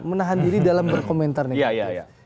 menahan diri dalam berkomentar negatif